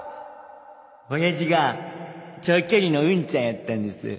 親父が長距離の運ちゃんやったんです。